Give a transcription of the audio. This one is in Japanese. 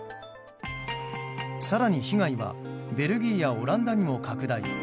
更に被害はベルギーやオランダにも拡大。